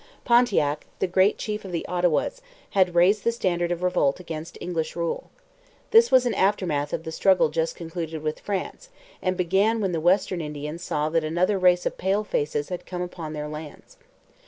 Pontiac, great chief of the Ottawas, had raised the standard of revolt against English rule. This was an aftermath of the struggle just concluded with France, and began when the Western Indians saw that another race of pale faces had come upon their lands.